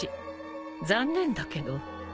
残念だけど。